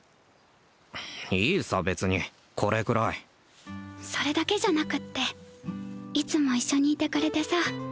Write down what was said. いいさ別にこれくらいそれだけじゃなくっていつも一緒にいてくれてさ